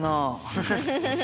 フフフフフ。